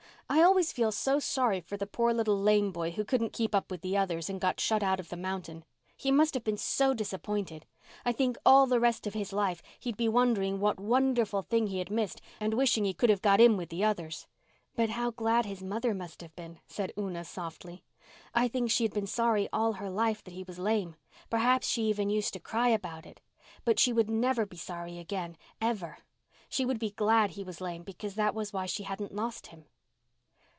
I always feel so sorry for the poor little lame boy who couldn't keep up with the others and got shut out of the mountain. He must have been so disappointed. I think all the rest of his life he'd be wondering what wonderful thing he had missed and wishing he could have got in with the others." "But how glad his mother must have been," said Una softly. "I think she had been sorry all her life that he was lame. Perhaps she even used to cry about it. But she would never be sorry again—never. She would be glad he was lame because that was why she hadn't lost him."